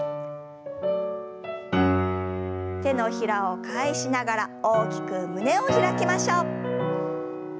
手のひらを返しながら大きく胸を開きましょう。